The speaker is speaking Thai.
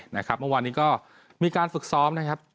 เมื่อวานนี้ก็มีการฝึกซ้อมนะครับ